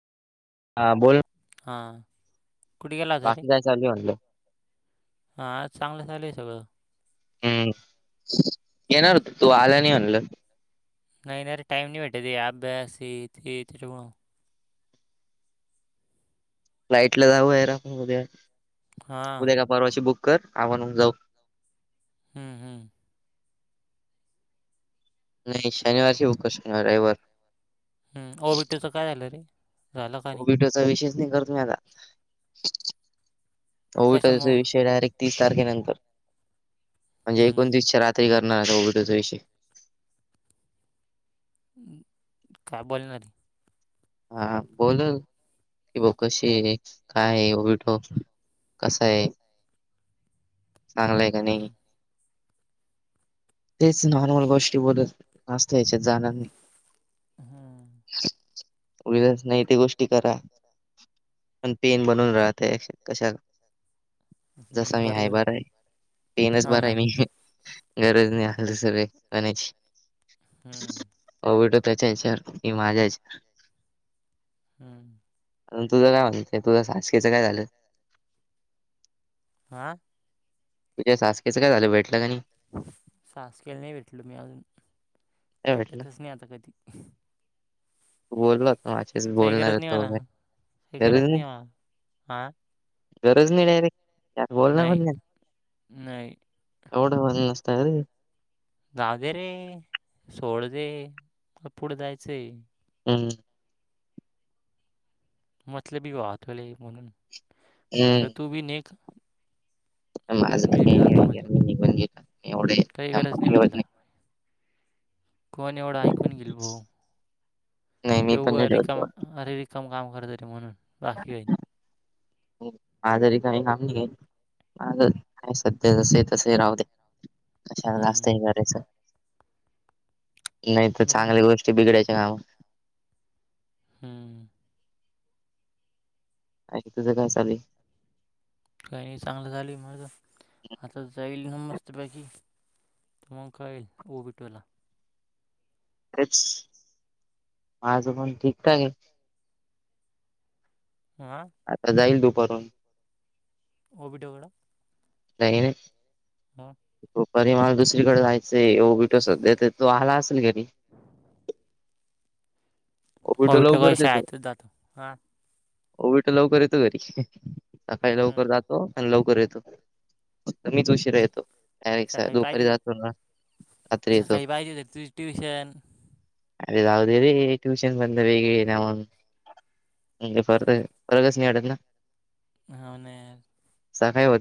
हा, बोलऽ [unintelligible] हा,, कुठ गेला हुता रे? बाकी काय चालू आहे म्हणलं [unintelligible] हा,, चांगलं चालूय सगळं. [unintelligible] हम्म,, येणार होत तू आला नाही मणलं? [unintelligible] नाही नाही रे,, टाइम नाही भेटत ये,, अभ्यास,, [unintelligible] फ्लाईट ला जाऊ आहे, उद्या ऽ [unintelligible] हां, [unintelligible] परवा दिशी बुक कर,, आवणून जाऊऽ [unintelligible] हम्म, हम्म. [unintelligible] नाही शनिवार ब कर शनिार रविवार. [unintelligible] हम्,, ओबीटीचं काय झालं रे? झालं का नाही? [unintelligible] ओबीटोचा विषयच नाही करत मी आता,, कशामुळं? विषय डायरेक्टऽ [unintelligible] तीस तारखेनंतर,, म्हणजे हं. एकोणतीसच्या रात्री करणारता ओघटीचा विषय. [unintelligible] काय बोल नार. [unintelligible] हा, बोलन. [unintelligible] कि ब कशी आहे? काय आहे? विटल कसा आय? [unintelligible] चांगलंय का नाही? हं. [unintelligible] तेच नॉर्मल गोष्टी बोलच. [unintelligible] त याच्यात जाणार नाही, हं, उगच नाही ते गोष्टी. [unintelligible] करा, पण पेन बनून राहत कशा? [unintelligible] हं. जसा मी आहेा बरोबर आहे. बराय,, पिनच हां बरा ना. आहे मी. [unintelligible] गरज नाही आली सगळे्,, म्हनायची. [unintelligible] हम्म, [unintelligible] हो वटो त्याच्या आहे, सर की माझा आहेच? [unintelligible] हम्म [unintelligible] तुझं काय म्हणयंय तुझं साक्षीचा काय झालं [unintelligible] हा. तुझ्या सासखेचंय झालं भेटलं का नाही. साासकेलं नाही भेटलो मी अजून नाही भेटलं. भेटतच नाही आता कधी. तू बोलता माझेच काही बोलणार गरज नाही तो मला. काही गर गरज ना. नाही मला. हां? गरज नाही नाही रे बोलणार पण नाही. नाही एवढं व नसतय रे. जाऊ दे रे सोड दे म पुढे जायचंय. हम्म. मतलबी वाहतले म्हणून म्हटल हं. तू बी नक. माझं तर म वगै म पण गेलं एवढे. काही गरज संपर्क नाही ठेवत म्हटलं. कोण एवढा ऐकून घेल भाो नाही ते मी पण उग नाही ठेवत एवढं. रिकामा चम काम करतरी म्हणून बाकी घईन. [inaudible] आजारी काही काम नाहीज सध्या जसे तसे राह दे आश्यांना जास्त हम्म हे करयचा नाही. नाही तर चांगल्या गोष्टी बिघडायच्या कामा हम्म. अ तुझं काय चालेल. काही नाही चांगलं झालं माझ आताच जाईल ना मस्त बाैकी. त मग कायळेल बिटोला माझ पण ठीकठाक आहे. हं. आता जाईल दुपारून. ओबिटो कड. नाहीईने. मग. तपरी मला दुसरीकडे जायचं ये बिटो सध्या ते तो आला असेल घरी ओबीतो ओबिटो काय लवकरच येतो. शाळेतच जातो हां ओबीतो लवकर येतो घरी सकाळी लवकर हम्म जातो. आणि लवकर येतो मीच उशरा येतो. सकाळी दुपारी पाहिजे जात रात्री येतो. सकाळी पाहिजे होते तुझी ट्युशन अरे जाऊदे रे. ट्यूशन बंद बेग ना फ फरगचत ना. हो न यार. सकाळी